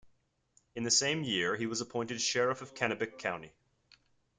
In the same year he was appointed Sheriff of Kennebec County.